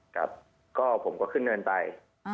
ครับก็ผมก็ขึ้นเนินไป